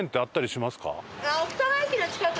奥多摩駅の近く？